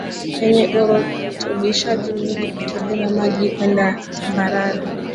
Yenye urutubishaji mwingi ikibeba maji kwenda tambarare